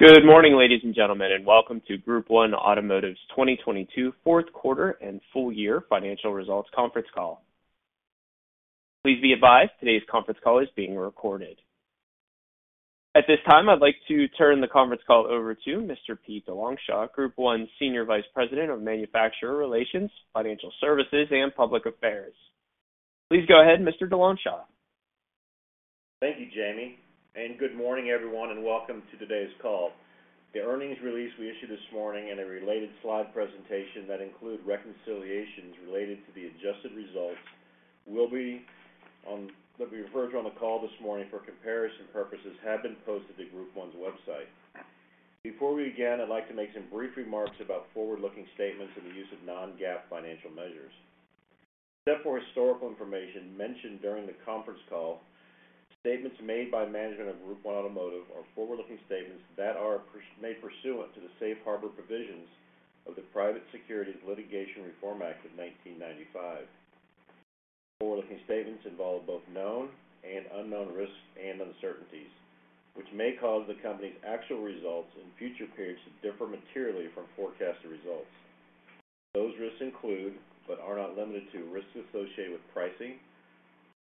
Good morning, ladies and gentlemen, welcome to Group 1 Automotive's 2022 fourth quarter and full year financial results conference call. Please be advised today's conference call is being recorded. At this time, I'd like to turn the conference call over to Mr. Peter DeLongchamps, Group 1's Senior Vice President of Manufacturer Relations, Financial Services, and Public Affairs. Please go ahead, Mr. DeLongchamps. Thank you, Jamie. Good morning, everyone, and welcome to today's call. The earnings release we issued this morning and a related slide presentation that include reconciliations related to the adjusted results that we refer to on the call this morning for comparison purposes have been posted to Group 1's website. Before we begin, I'd like to make some brief remarks about forward-looking statements and the use of non-GAAP financial measures. Except for historical information mentioned during the conference call, statements made by management of Group 1 Automotive are made pursuant to the Safe Harbor provisions of the Private Securities Litigation Reform Act of 1995. Forward-looking statements involve both known and unknown risks and uncertainties, which may cause the company's actual results in future periods to differ materially from forecasted results. Those risks include, but are not limited to, risks associated with pricing,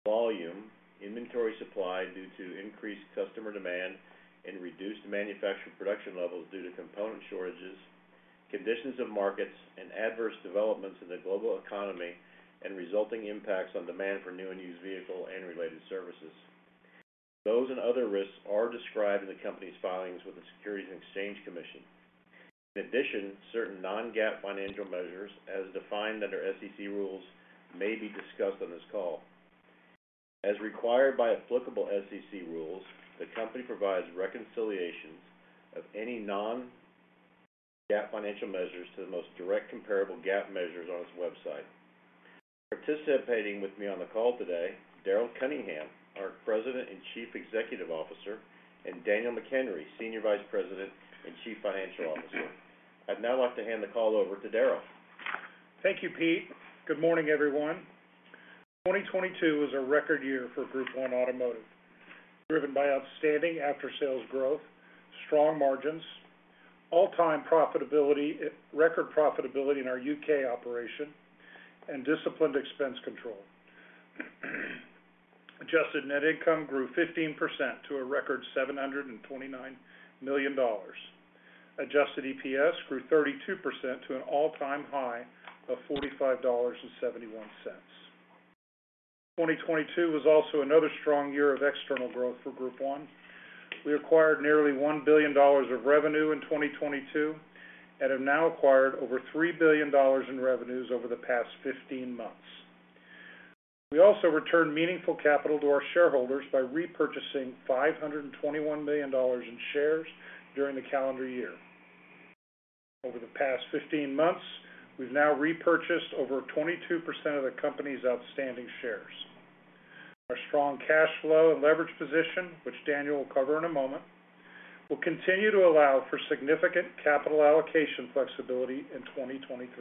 volume, inventory supply due to increased customer demand, and reduced manufacturing production levels due to component shortages, conditions of markets, and adverse developments in the global economy, and resulting impacts on demand for new and used vehicle and related services. Those and other risks are described in the company's filings with the Securities and Exchange Commission. In addition, certain non-GAAP financial measures, as defined under SEC rules, may be discussed on this call. As required by applicable SEC rules, the company provides reconciliations of any non-GAAP financial measures to the most direct comparable GAAP measures on its website. Participating with me on the call today, Daryl Kenningham, our President and Chief Executive Officer, and Daniel McHenry, Senior Vice President and Chief Financial Officer. I'd now like to hand the call over to Daryl. Thank you, Pete. Good morning, everyone. 2022 was a record year for Group 1 Automotive, driven by outstanding after-sales growth, strong margins, all-time profitability, record profitability in our UK operation, and disciplined expense control. Adjusted net income grew 15% to a record $729 million. Adjusted EPS grew 32% to an all-time high of $45.71. 2022 was also another strong year of external growth for Group 1. We acquired nearly $1 billion of revenue in 2022 and have now acquired over $3 billion in revenues over the past 15 months. We also returned meaningful capital to our shareholders by repurchasing $521 million in shares during the calendar year. Over the past 15 months, we've now repurchased over 22% of the company's outstanding shares. Our strong cash flow and leverage position, which Daniel will cover in a moment, will continue to allow for significant capital allocation flexibility in 2023.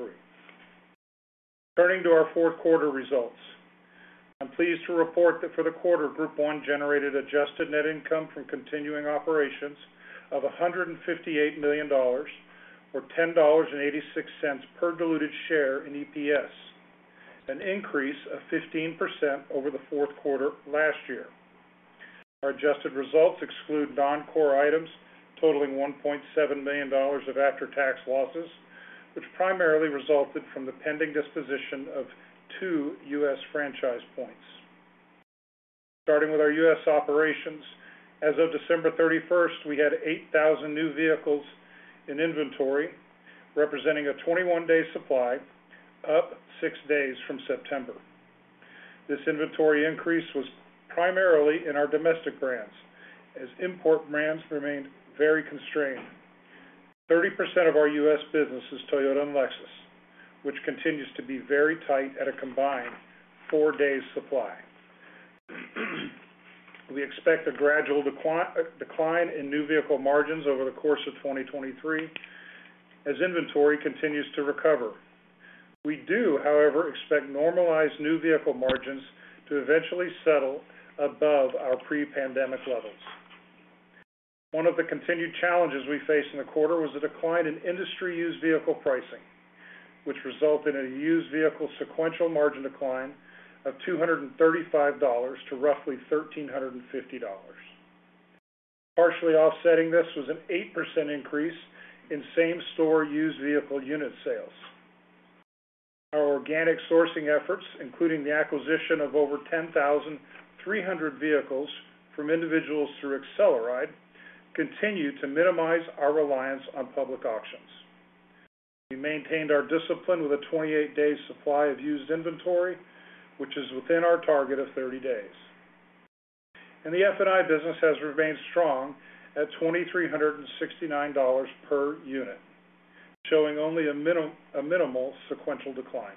Turning to our fourth quarter results. I'm pleased to report that for the quarter, Group 1 generated adjusted net income from continuing operations of $158 million or $10.86 per diluted share in EPS, an increase of 15% over the fourth quarter last year. Our adjusted results exclude non-core items totaling $1.7 million of after-tax losses, which primarily resulted from the pending disposition of two U.S. franchise points. Starting with our U.S. operations, as of December 31st, we had 8,000 new vehicles in inventory, representing a 21-day supply, up six days from September. This inventory increase was primarily in our domestic brands, as import brands remained very constrained. 30% of our US business is Toyota and Lexus, which continues to be very tight at a combined four days supply. We expect a gradual decline in new vehicle margins over the course of 2023 as inventory continues to recover. We do, however, expect normalized new vehicle margins to eventually settle above our pre-pandemic levels. One of the continued challenges we faced in the quarter was a decline in industry used vehicle pricing, which resulted in a used vehicle sequential margin decline of $235 to roughly $1,350. Partially offsetting this was an 8% increase in same store used vehicle unit sales. Our organic sourcing efforts, including the acquisition of over 10,300 vehicles from individuals through AcceleRide, continue to minimize our reliance on public auctions. We maintained our discipline with a 28-day supply of used inventory, which is within our target of 30 days. The F&I business has remained strong at $2,369 per unit, showing only a minimal sequential decline.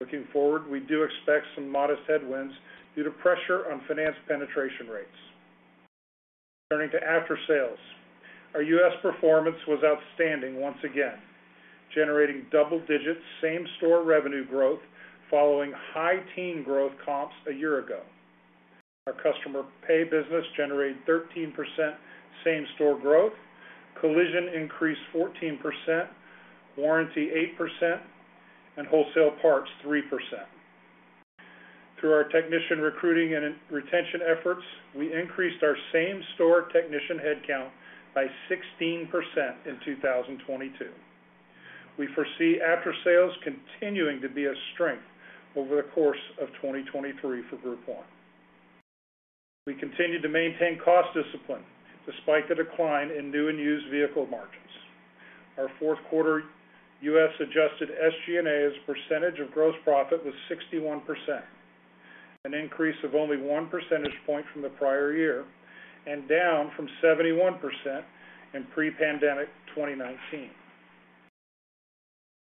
Looking forward, we do expect some modest headwinds due to pressure on finance penetration rates. Turning to after-sales. Our U.S. performance was outstanding once again, generating double-digit same-store revenue growth following high teen growth comps a year ago. Our customer pay business generated 13% same-store growth. Collision increased 14%, warranty 8%, and wholesale parts 3%. Through our technician recruiting and retention efforts, we increased our same-store technician headcount by 16% in 2022. We foresee after-sales continuing to be a strength over the course of 2023 for Group one. We continued to maintain cost discipline despite the decline in new and used vehicle margins. Our fourth quarter U.S. adjusted SG&A as a percentage of gross profit was 61%, an increase of only one percentage point from the prior year, and down from 71% in pre-pandemic 2019.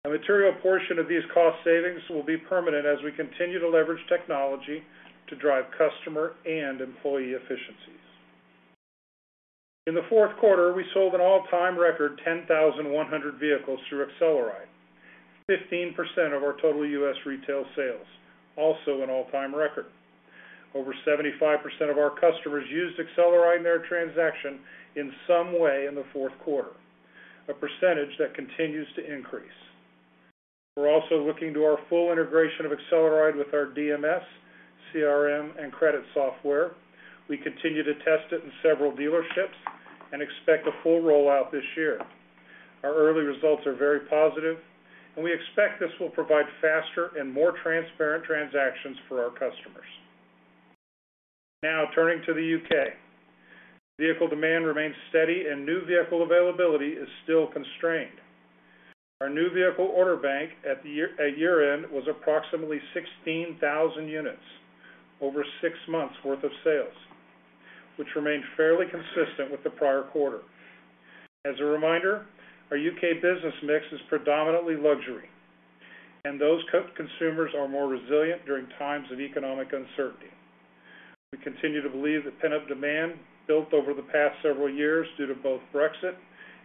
A material portion of these cost savings will be permanent as we continue to leverage technology to drive customer and employee efficiencies. In the fourth quarter, we sold an all-time record 10,100 vehicles through AcceleRide, 15% of our total U.S. retail sales, also an all-time record. Over 75% of our customers used AcceleRide in their transaction in some way in the fourth quarter, a percentage that continues to increase. We're also looking to our full integration of AcceleRide with our DMS, CRM, and credit software. We continue to test it in several dealerships and expect a full rollout this year. Our early results are very positive and we expect this will provide faster and more transparent transactions for our customers. Turning to the U.K. Vehicle demand remains steady and new vehicle availability is still constrained. Our new vehicle order bank at year-end was approximately 16,000 units, over six months worth of sales, which remained fairly consistent with the prior quarter. As a reminder, our U.K. business mix is predominantly luxury, and those consumers are more resilient during times of economic uncertainty. We continue to believe that pent-up demand built over the past several years due to both Brexit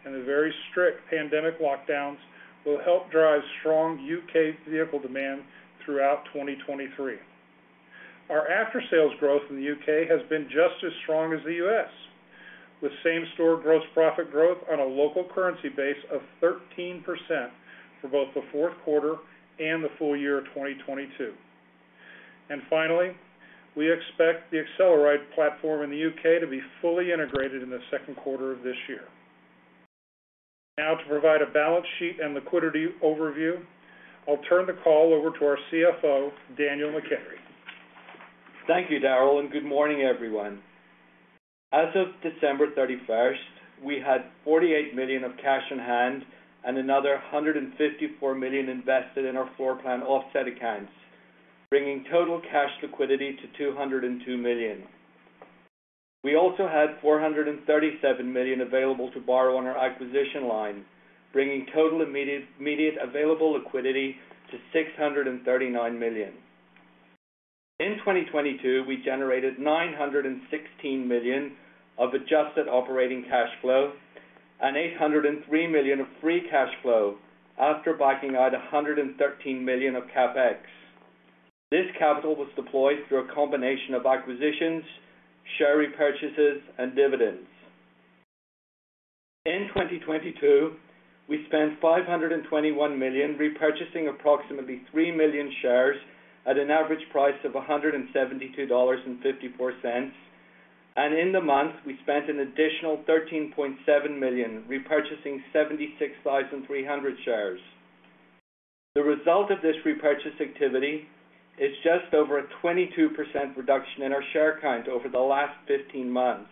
and the very strict pandemic lockdowns will help drive strong U.K. vehicle demand throughout 2023. Our after-sales growth in the U.K. has been just as strong as the U.S., with same-store gross profit growth on a local currency base of 13% for both the fourth quarter and the full year of 2022. Finally, we expect the AcceleRide platform in the U.K. to be fully integrated in the second quarter of this year. Now to provide a balance sheet and liquidity overview, I'll turn the call over to our CFO, Daniel McHenry. Thank you, Daryl. Good morning, everyone. As of December 31st, we had $48 million of cash on hand and another $154 million invested in our floor plan offset accounts, bringing total cash liquidity to $202 million. We also had $437 million available to borrow on our acquisition line, bringing total immediate available liquidity to $639 million. In 2022, we generated $916 million of adjusted operating cash flow and $803 million of free cash flow after backing out $113 million of CapEx. This capital was deployed through a combination of acquisitions, share repurchases, and dividends. In 2022, we spent $521 million repurchasing approximately three million shares at an average price of $172.54. In the month, we spent an additional $13.7 million repurchasing 76,300 shares. The result of this repurchase activity is just over a 22% reduction in our share count over the last 15 months.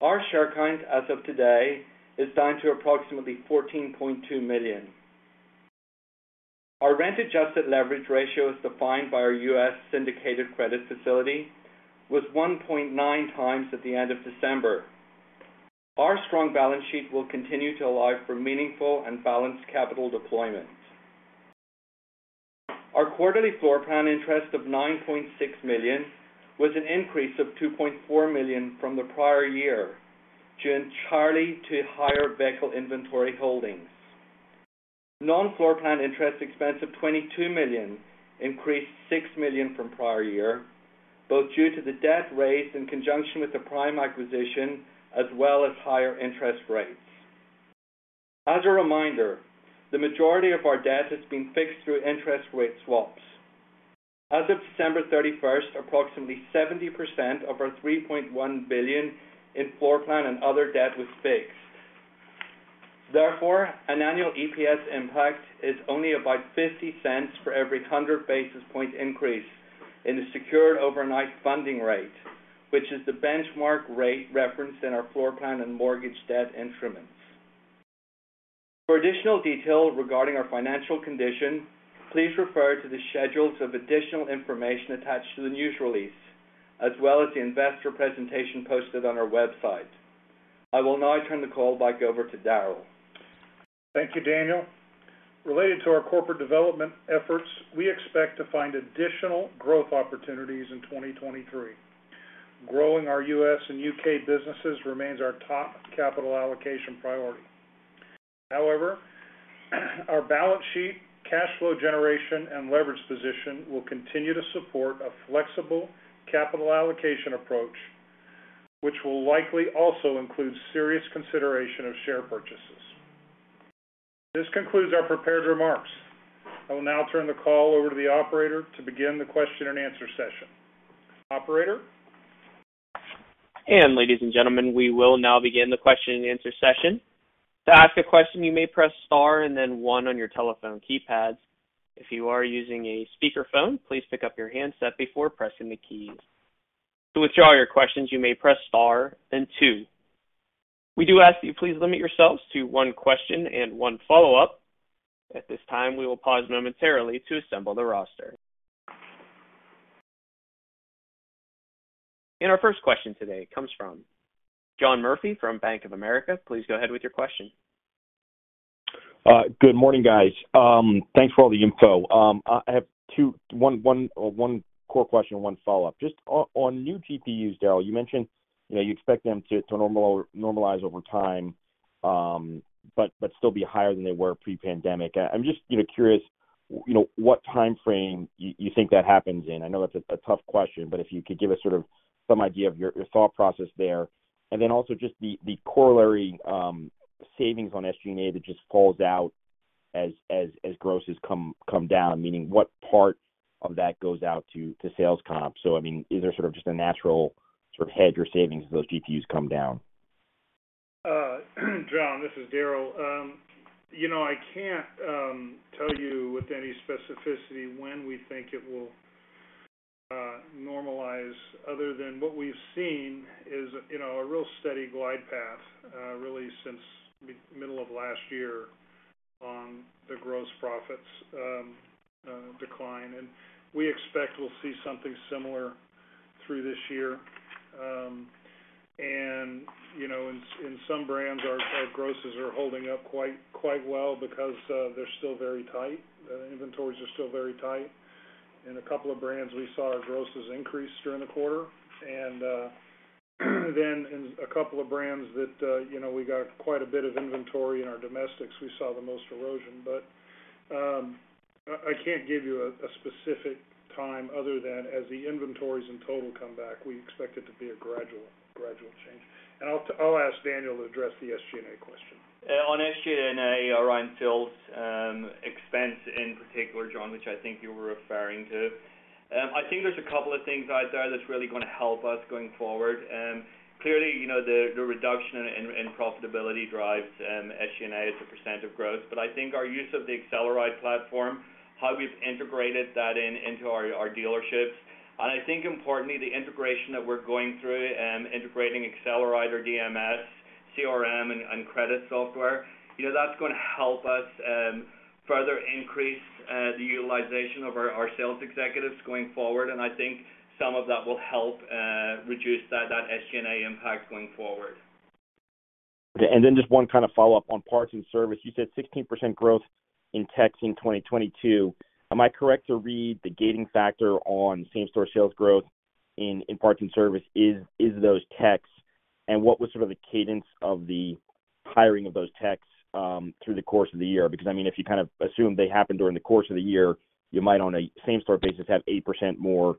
Our share count as of today is down to approximately 14.2 million. Our rent-adjusted leverage ratio, as defined by our U.S. syndicated credit facility, was 1.9 times at the end of December. Our strong balance sheet will continue to allow for meaningful and balanced capital deployment. Our quarterly floor plan interest of $9.6 million was an increase of $2.4 million from the prior year, due entirely to higher vehicle inventory holdings. Non-floor plan interest expense of $22 million increased $6 million from prior year, both due to the debt raised in conjunction with the Prime acquisition as well as higher interest rates. As a reminder, the majority of our debt has been fixed through interest rate swaps. As of December 31st, approximately 70% of our $3.1 billion in floor plan and other debt was fixed. An annual EPS impact is only about $0.50 for every 100 basis point increase in the secured overnight funding rate, which is the benchmark rate referenced in our floor plan and mortgage debt instruments. For additional detail regarding our financial condition, please refer to the schedules of additional information attached to the news release, as well as the investor presentation posted on our website. I will now turn the call back over to Daryl. Thank you, Daniel. Related to our corporate development efforts, we expect to find additional growth opportunities in 2023. Growing our U.S. and U.K. businesses remains our top capital allocation priority. However, our balance sheet, cash flow generation, and leverage position will continue to support a flexible capital allocation approach, which will likely also include serious consideration of share purchases. This concludes our prepared remarks. I will now turn the call over to the operator to begin the question and answer session. Operator? Ladies and gentlemen, we will now begin the question and answer session. To ask a question, you may press star and then one on your telephone keypads. If you are using a speaker phone, please pick up your handset before pressing the keys. To withdraw your questions, you may press star then two. We do ask that you please limit yourselves to one question and one follow-up. At this time, we will pause momentarily to assemble the roster. Our first question today comes from John Murphy from Bank of America. Please go ahead with your question. Good morning, guys. Thanks for all the info. I have two... One core question and one follow-up. Just on new PRUs, Daryl, you mentioned, you know, you expect them to normalize over time, but still be higher than they were pre-pandemic. I'm just, you know, curious, you know, what timeframe you think that happens in. I know that's a tough question, but if you could give us sort of some idea of your thought process there. Also just the corollary savings on SG&A that just falls out as grosses come down, meaning what part of that goes out to sales comp? I mean, is there sort of just a natural sort of head or savings as those PRUs come down? John, this is Daryl. You know, I can't tell you with any specificity when we think it will normalize other than what we've seen is, you know, a real steady glide path really since mid-middle of last year on the gross profits decline. We expect we'll see something similar through this year. You know, in some brands, our grosses are holding up quite well because they're still very tight. The inventories are still very tight. In a couple of brands, we saw our grosses increase during the quarter. In a couple of brands that, you know, we got quite a bit of inventory in our domestics, we saw the most erosion. I can't give you a specific time other than as the inventories in total come back, we expect it to be a gradual change. I'll ask Daniel to address the SG&A question. On SG&A, around sales, expense in particular, John, which I think you were referring to, I think there's a couple of things out there that's really gonna help us going forward. Clearly, you know, the reduction in profitability drives SG&A as a percent of growth. I think our use of the AcceleRide platform, how we've integrated that into our dealerships. I think importantly, the integration that we're going through, integrating AcceleRide or DMS, CRM and credit software, you know, that's gonna help us further increase the utilization of our sales executives going forward, and I think some of that will help reduce that SG&A impact going forward. Just one kind of follow-up on parts and service. You said 16% growth in techs in 2022. Am I correct to read the gating factor on same-store sales growth in parts and service is those techs? What was sort of the cadence of the hiring of those techs through the course of the year? Because, I mean, if you kind of assume they happened during the course of the year, you might on a same-store basis have 8% more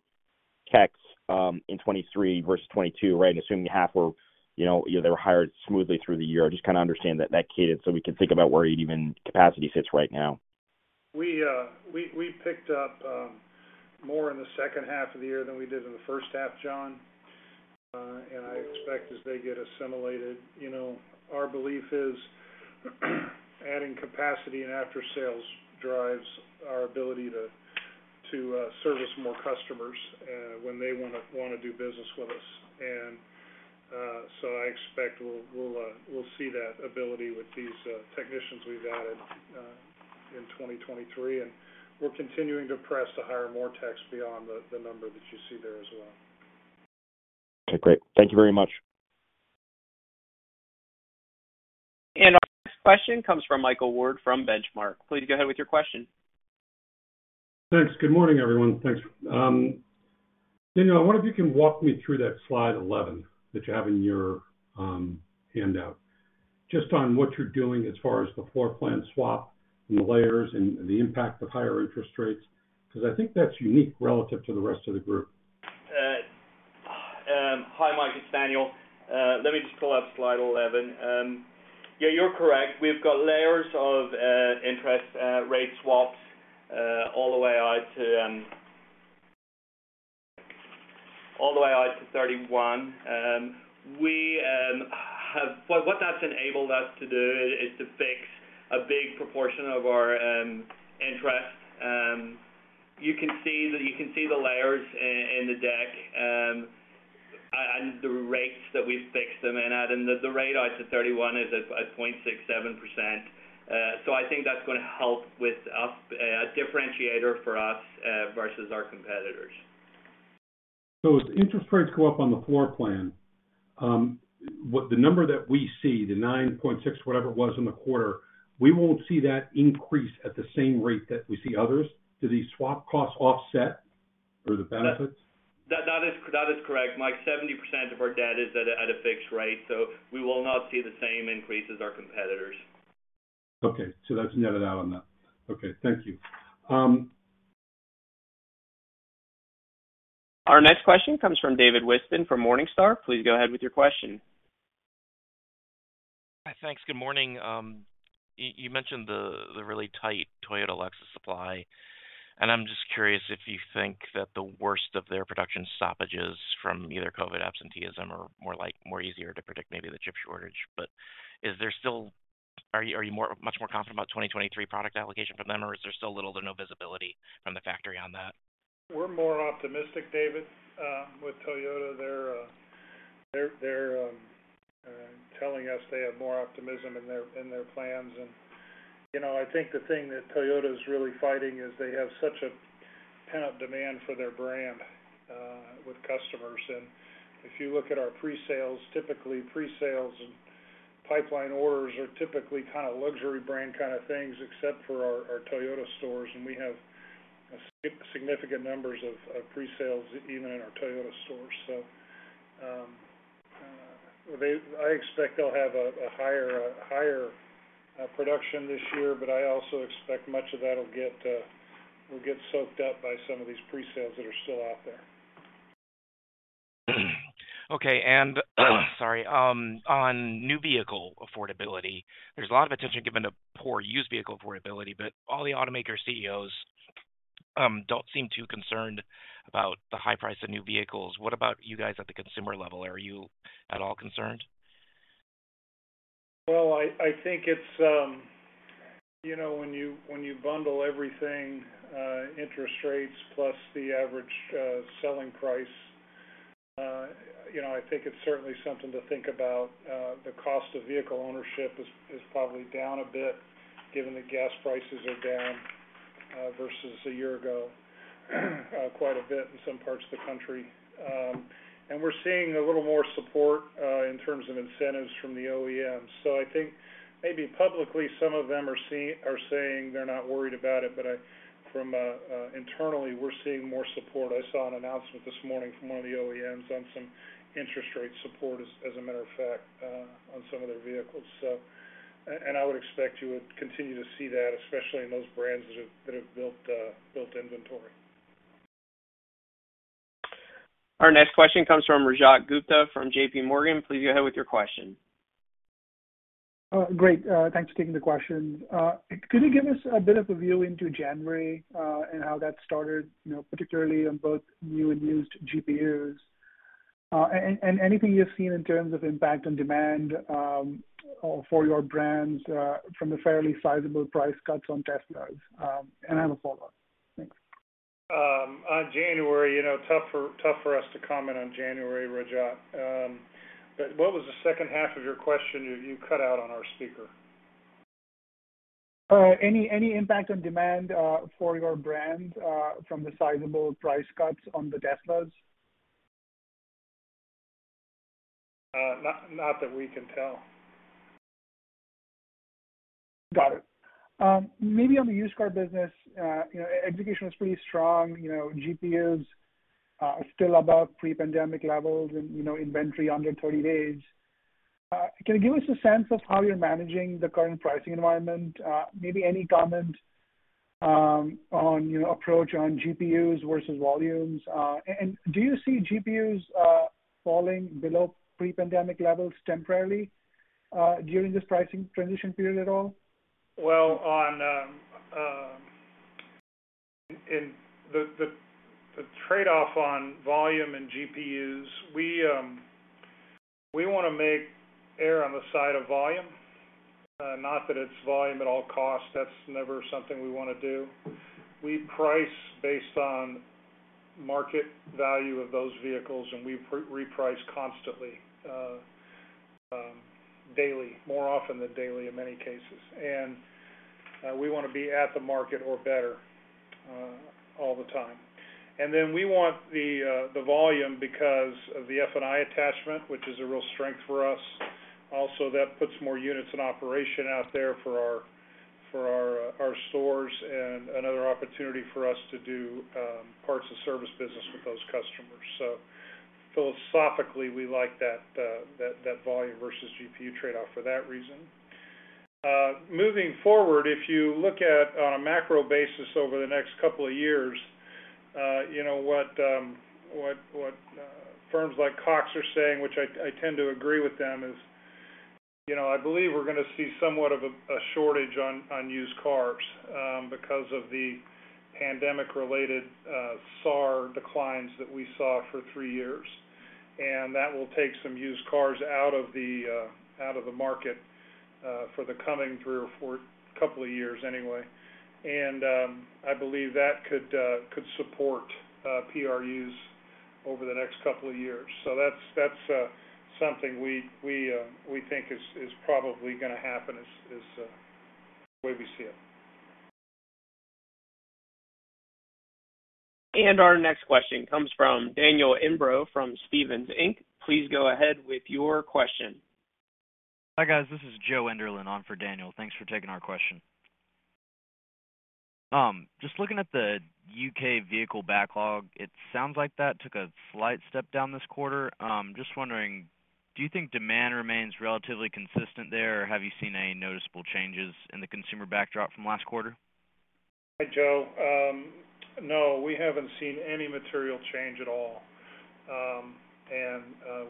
techs in 2023 versus 2022, right? Assuming half were, you know, they were hired smoothly through the year. I just kinda understand that cadence so we can think about where even capacity sits right now. We picked up more in the second half of the year than we did in the first half, John. I expect as they get assimilated. You know, our belief is, adding capacity and after sales drives our ability to service more customers when they wanna do business with us. I expect we'll see that ability with these technicians we've added in 2023, and we're continuing to press to hire more techs beyond the number that you see there as well. Okay, great. Thank you very much. Our next question comes from Michael Ward from Benchmark, please go ahead with your question. Thanks. Good morning, everyone. Thanks. Daniel, I wonder if you can walk me through that slide 11 that you have in your handout, just on what you're doing as far as the floor plan swap and the layers and the impact of higher interest rates, because I think that's unique relative to the rest of the group. Hi, Mike. It's Daniel. Let me just pull out slide 11. Yeah, you're correct. We've got layers of interest rate swaps all the way out to all the way out to 31. What that's enabled us to do is to fix a big proportion of our interest. You can see the layers in the deck and the rates that we've fixed them in, Adam. The rate out to 31 is at 0.67%. I think that's gonna help with a differentiator for us versus our competitors. As interest rates go up on the floor plan, what the number that we see, the 9.6, whatever it was in the quarter, we won't see that increase at the same rate that we see others. Do these swap costs offset? The benefits? That is correct, Mike. 70% of our debt is at a fixed rate, so we will not see the same increase as our competitors. Okay. So that's netted out on that. Okay, thank you. Our next question comes from David Whiston from Morningstar, please go ahead with your question. Hi. Thanks. Good morning. You mentioned the really tight Toyota Lexus supply. I'm just curious if you think that the worst of their production stoppages from either COVID absenteeism or like more easier to predict maybe the chip shortage. Are you much more confident about 2023 product allocation from them, or is there still little to no visibility from the factory on that? We're more optimistic, David, with Toyota. They're telling us they have more optimism in their plans. You know, I think the thing that Toyota is really fighting is they have such a pent-up demand for their brand with customers. If you look at our pre-sales, typically pre-sales and pipeline orders are typically kind of luxury brand kind of things except for our Toyota stores, and we have a significant numbers of pre-sales even in our Toyota stores. I expect they'll have a higher production this year, but I also expect much of that'll get will get soaked up by some of these pre-sales that are still out there. Okay. Sorry. On new vehicle affordability, there's a lot of attention given to poor used vehicle affordability. All the automaker CEOs don't seem too concerned about the high price of new vehicles. What about you guys at the consumer level? Are you at all concerned? I think it's, you know, when you, when you bundle everything, interest rates plus the average, selling price, you know, I think it's certainly something to think about. The cost of vehicle ownership is probably down a bit given the gas prices are down, versus a year ago, quite a bit in some parts of the country. We're seeing a little more support, in terms of incentives from the OEMs. I think maybe publicly, some of them are saying they're not worried about it, but Internally, we're seeing more support. I saw an announcement this morning from one of the OEMs on some interest rate support as a matter of fact, on some of their vehicles. So. I would expect you would continue to see that, especially in those brands that have built inventory. Our next question comes from Rajat Gupta from JPMorgan. Please go ahead with your question. Great. Thanks for taking the question. Could you give us a bit of a view into January, and how that started, you know, particularly on both new and used GPUs? Anything you've seen in terms of impact on demand, or for your brands, from the fairly sizable price cuts on Teslas? I have a follow-up. Thanks. On January, you know, tough for us to comment on January, Rajat. What was the second half of your question? You, you cut out on our speaker. Any impact on demand for your brands from the sizable price cuts on the Teslas? Not that we can tell. Got it. Maybe on the used car business, you know, execution was pretty strong. You know, GPU is still above pre-pandemic levels and, you know, inventory under 30 days. Can you give us a sense of how you're managing the current pricing environment? Maybe any comment on your approach on GPUs versus volumes? Do you see GPUs falling below pre-pandemic levels temporarily during this pricing transition period at all? Well, in the trade-off on volume and GPUs, we wanna make err on the side of volume. Not that it's volume at all costs. That's never something we wanna do. We price based on market value of those vehicles, and we reprice constantly, daily, more often than daily in many cases. We wanna be at the market or better all the time. Then we want the volume because of the F&I attachment, which is a real strength for us. Also, that puts more units in operation out there for our stores and another opportunity for us to do parts and service business with those customers. Philosophically, we like that volume versus GPU trade-off for that reason. Moving forward, if you look at on a macro basis over the next couple of years, you know, what firms like Cox are saying, which I tend to agree with them, is, you know, I believe we're gonna see somewhat of a shortage on used cars because of the pandemic-related SAR declines that we saw for three years. That will take some used cars out of the market for the coming three or four, couple of years anyway. I believe that could support PRUs over the next couple of years. That's something we think is probably gonna happen is the way we see it. Our next question comes from Daniel Imbro from Stephens Inc. Please go ahead with your question. Hi, guys. This is Joseph Enderlin on for Daniel. Thanks for taking our question. Just looking at the U.K. vehicle backlog, it sounds like that took a slight step down this quarter. Just wondering, do you think demand remains relatively consistent there, or have you seen any noticeable changes in the consumer backdrop from last quarter? Hey, Joe. No, we haven't seen any material change at all.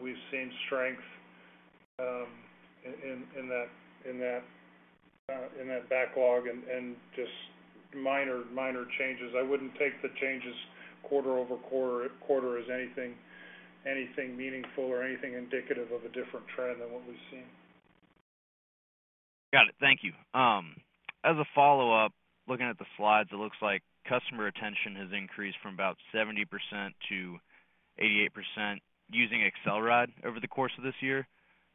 We've seen strength, in that backlog and just minor changes. I wouldn't take the changes quarter-over-quarter as anything meaningful or anything indicative of a different trend than what we've seen. Got it. Thank you. As a follow-up, looking at the slides, it looks like customer retention has increased from about 70% to 88% using AcceleRide over the course of this year.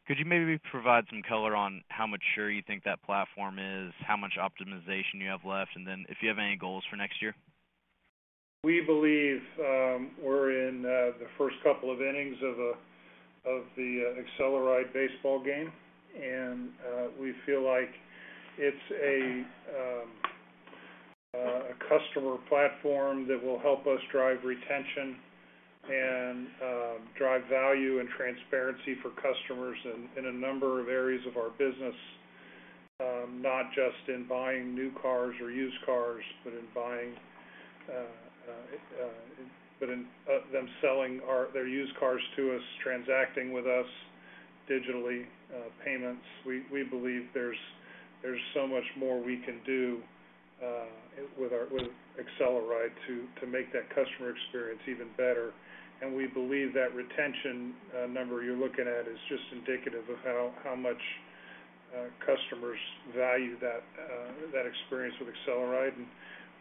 Could you maybe provide some color on how mature you think that platform is, how much optimization you have left, and then if you have any goals for next year? We believe, we're in the first couple of innings of the AcceleRide baseball game. We feel like it's a customer platform that will help us drive retention and drive value and transparency for customers in a number of areas of our business, not just in buying new cars or used cars, but in them selling their used cars to us, transacting with us digitally, payments. We believe there's so much more we can do with AcceleRide to make that customer experience even better. We believe that retention number you're looking at is just indicative of how much customers value that experience with AcceleRide.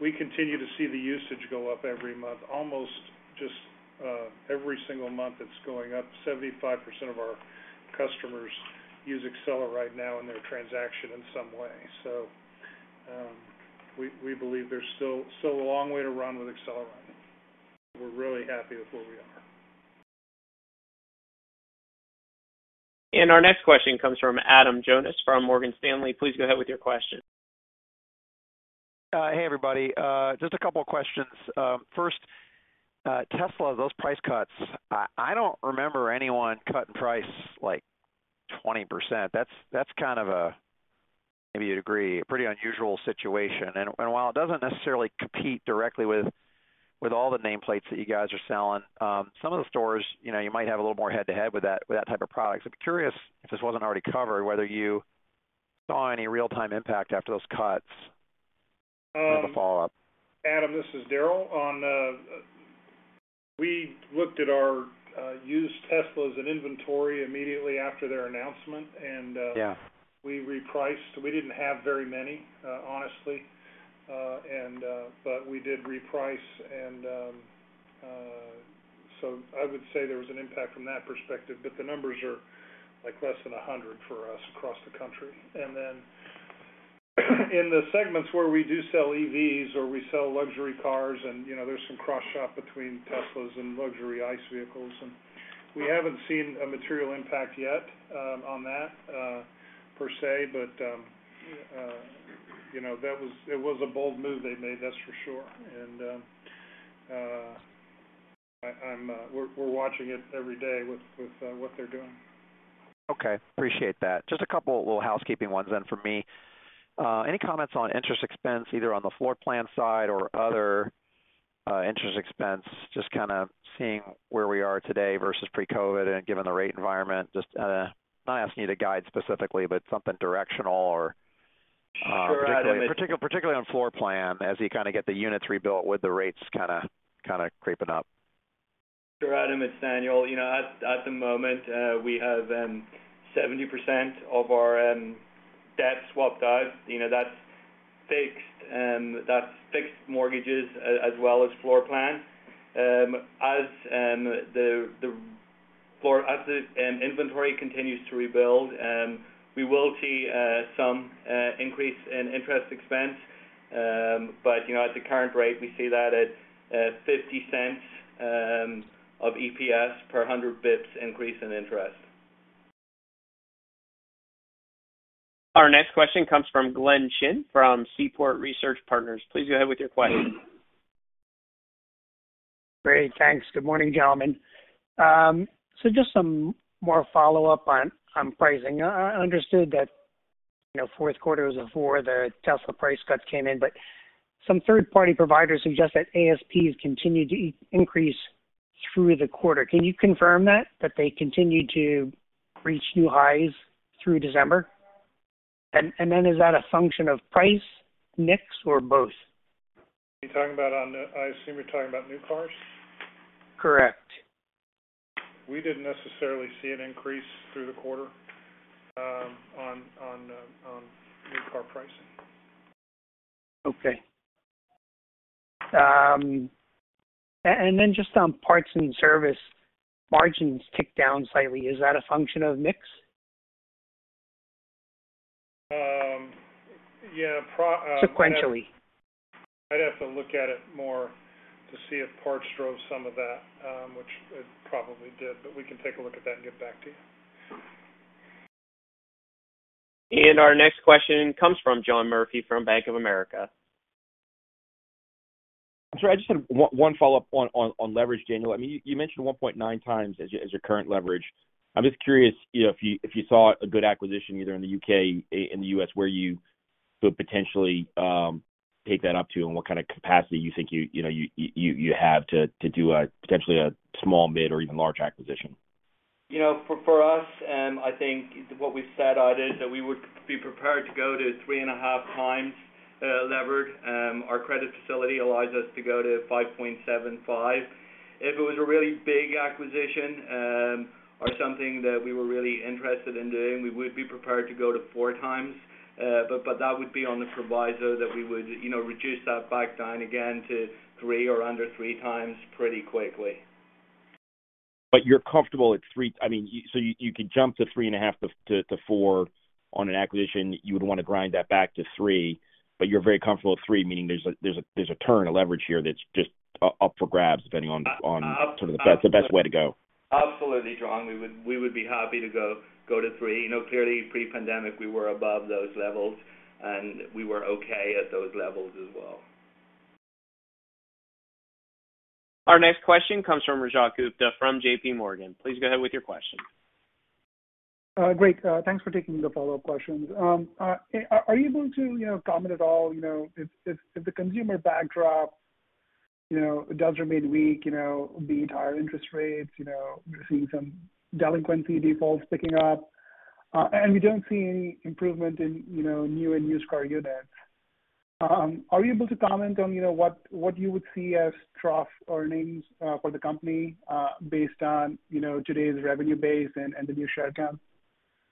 We continue to see the usage go up every month. Almost just every single month, it's going up. 75% of our customers use AcceleRide now in their transaction in some way. We believe there's still a long way to run with AcceleRide. We're really happy with where we are. Our next question comes from Adam Jonas from Morgan Stanley. Please go ahead with your question. Hey, everybody. Just a couple questions. First, Tesla, those price cuts, I don't remember anyone cutting price like 20%. That's kind of a, maybe you'd agree, a pretty unusual situation. While it doesn't necessarily compete directly with all the nameplates that you guys are selling, some of the stores, you know, you might have a little more head-to-head with that type of product. I'd be curious, if this wasn't already covered, whether you saw any real-time impact after those cuts as a follow-up. Adam, this is Daryl. We looked at our used Teslas and inventory immediately after their announcement. Yeah... we repriced. We didn't have very many, honestly. We did reprice and, so I would say there was an impact from that perspective, but the numbers are like less than 100 for us across the country. In the segments where we do sell EVs or we sell luxury cars and, you know, there's some cross shop between Teslas and luxury ICE vehicles, and we haven't seen a material impact yet, on that, per se. You know, that was... it was a bold move they made, that's for sure. I'm, we're watching it every day with what they're doing. Okay. Appreciate that. Just a couple little housekeeping ones for me. Any comments on interest expense, either on the floor plan side or other interest expense, just kind of seeing where we are today versus pre-COVID and given the rate environment, just not asking you to guide specifically, but something directional. Sure, Adam- Particularly on floor plan as you kind of get the units rebuilt with the rates kinda creeping up. Sure, Adam, it's Daniel. You know, at the moment, we have 70% of our debt swapped out. You know, that's fixed, that's fixed mortgages as well as floor plan. As the inventory continues to rebuild, we will see some increase in interest expense. You know, at the current rate, we see that at $0.50 of EPS per 100 bits increase in interest. Our next question comes from Glenn Chin from Seaport Research Partners. Please go ahead with your question. Great. Thanks. Good morning, gentlemen. Just some more follow-up on pricing. I understood that, you know, fourth quarter was before the Tesla price cuts came in. Some third-party providers suggest that ASPs continued to increase through the quarter. Can you confirm that they continued to reach new highs through December? Then is that a function of price, mix, or both? You're talking about on the... I assume you're talking about new cars? Correct. We didn't necessarily see an increase through the quarter, on new car pricing. Okay. Then just on parts and service margins ticked down slightly. Is that a function of mix? yeah, Sequentially. I'd have to look at it more to see if parts drove some of that, which it probably did, but we can take a look at that and get back to you. Our next question comes from John Murphy from Bank of America. Sorry, I just had one follow-up on leverage, Daniel. I mean, you mentioned 1.9 times as your current leverage. I'm just curious, you know, if you saw a good acquisition either in the U.K., in the U.S., where you could potentially take that up to and what kind of capacity you think you know, you have to do a potentially a small, mid, or even large acquisition. You know, for us, I think what we've said out is that we would be prepared to go to 3.5 times lever. Our credit facility allows us to go to 5.75. If it was a really big acquisition, or something that we were really interested in doing, we would be prepared to go to 4 times. That would be on the proviso that we would, you know, reduce that back down again to three or under three times pretty quickly. You're comfortable at three. I mean, so you could jump to 3.5 to 4 on an acquisition. You would wanna grind that back to three, but you're very comfortable at three, meaning there's a turn, a leverage here that's just up for grabs depending on sort of the best way to go. Absolutely, John. We would be happy to go to three. You know, clearly pre-pandemic, we were above those levels, and we were okay at those levels as well. Our next question comes from Rajat Gupta from JPMorgan. Please go ahead with your question. Great. Thanks for taking the follow-up questions. Are you able to, you know, comment at all, you know, if the consumer backdrop, you know, does remain weak, you know, be it higher interest rates, you know, we're seeing some delinquency defaults picking up, and we don't see any improvement in, you know, new and used car units. Are you able to comment on, you know, what you would see as trough earnings for the company, based on, you know, today's revenue base and the new share count?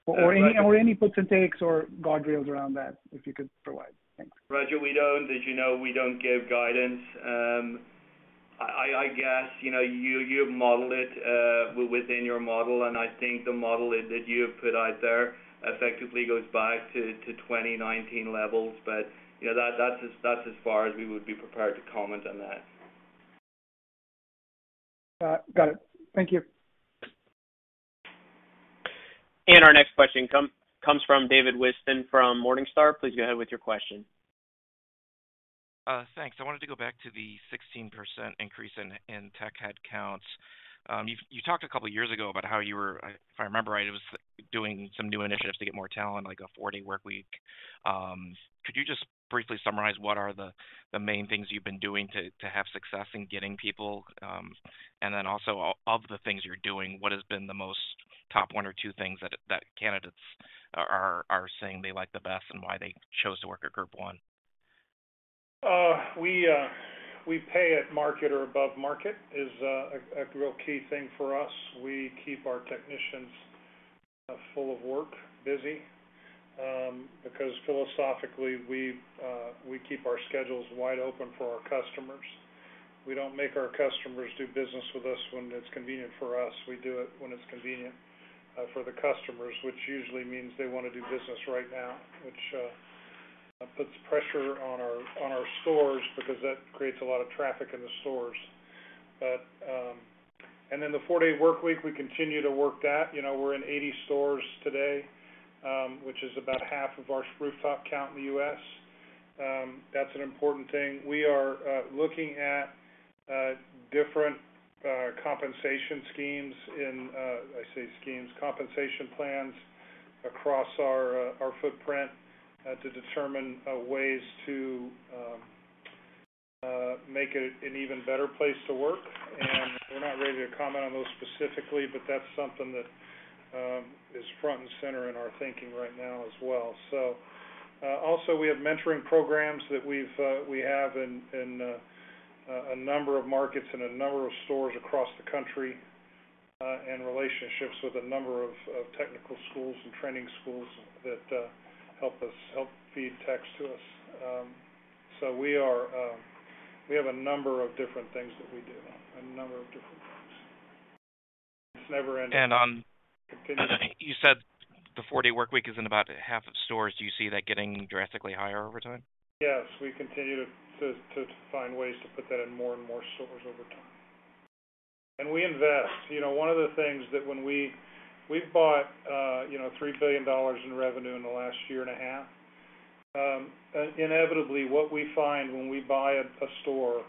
Any puts and takes or guardrails around that, if you could provide? Thanks. Rajat, we don't. As you know, we don't give guidance. I guess, you know, you model it within your model, and I think the model that you have put out there effectively goes back to 2019 levels. You know, that's as far as we would be prepared to comment on that. Got it. Thank you. Our next question comes from David Whiston from Morningstar. Please go ahead with your question. Thanks. I wanted to go back to the 16% increase in tech headcounts. You talked a couple years ago about how you were, if I remember right, it was doing some new initiatives to get more talent, like a four-day workweek. Could you just briefly summarize what are the main things you've been doing to have success in getting people? Then also of the things you're doing, what has been the most top one or two things that candidates are saying they like the best and why they chose to work at Group 1? We pay at market or above market is a real key thing for us. We keep our technicians full of work, busy, because philosophically, we keep our schedules wide open for our customers. We don't make our customers do business with us when it's convenient for us. We do it when it's convenient for the customers, which usually means they wanna do business right now, which puts pressure on our stores because that creates a lot of traffic in the stores. The four-day workweek, we continue to work that. You know, we're in 80 stores today, which is about half of our rooftop count in the U.S. That's an important thing. We are looking at different compensation schemes in, I say schemes, compensation plans across our footprint to determine ways to make it an even better place to work. We're not ready to comment on those specifically, but that's something that is front and center in our thinking right now as well. Also we have mentoring programs that we've we have in a number of markets and a number of stores across the country and relationships with a number of technical schools and training schools that help us, help feed techs to us. We are we have a number of different things that we do, a number of different things. It's never ending. And on- Continuous. You said the four-day workweek is in about half of stores. Do you see that getting drastically higher over time? Yes. We continue to find ways to put that in more and more stores over time. We invest. You know, one of the things that when we We've bought, you know, $3 billion in revenue in the last year and a half. Inevitably, what we find when we buy a store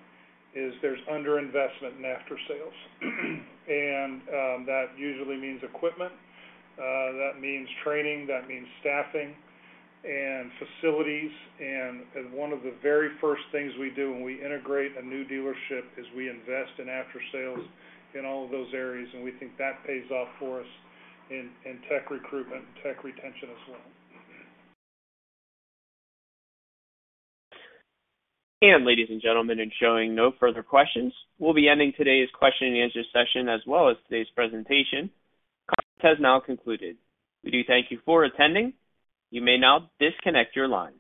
is there's underinvestment in after sales. That usually means equipment, that means training, that means staffing and facilities. One of the very first things we do when we integrate a new dealership is we invest in after sales in all of those areas, and we think that pays off for us in tech recruitment and tech retention as well. Ladies and gentlemen, in showing no further questions, we'll be ending today's question and answer session, as well as today's presentation. Conference has now concluded. We do thank you for attending. You may now disconnect your lines.